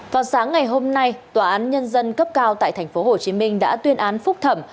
vào sáng ngày hôm nay tòa án nhân dân cấp cao tại tp hcm đã tuyên án phúc thẩm